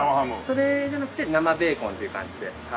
それじゃなくて生ベーコンという感じで。